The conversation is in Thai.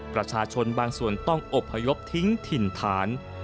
ประชาชนบางส่วนต้องอบพยพทิ้งถิ่นฐาน